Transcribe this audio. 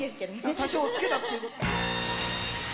多少、つけたってことは。